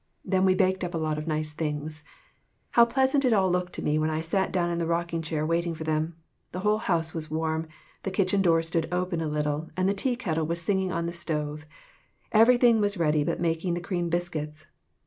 Then we baked up a lot of nice things. How pleasant it all looked to me when I sat down in the rocking chair waiting for them. The whole house was warm ; the kitchen door stood open a little, and the tea kettle was singing on the stove. Everything was ready but making the cream biscuits.